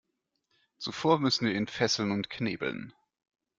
Zuvor müssen wir ihn fesseln und knebeln.